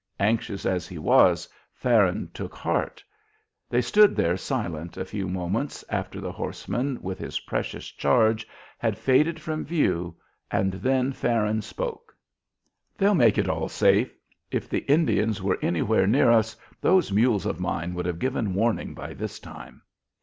Anxious as he was, Farron took heart. They stood there silent a few moments after the horseman, with his precious charge, had faded from view, and then Farron spoke, "They'll make it all safe. If the Indians were anywhere near us those mules of mine would have given warning by this time."